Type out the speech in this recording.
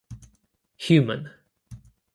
Human.